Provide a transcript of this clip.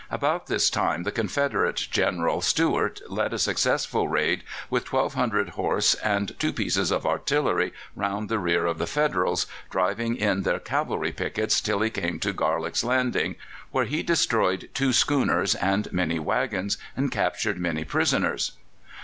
About this time the Confederate General Stuart led a successful raid with 1,200 horse and two pieces of artillery round the rear of the Federals, driving in their cavalry pickets till he came to Garlick's Landing, where he destroyed two schooners and many waggons and captured many prisoners.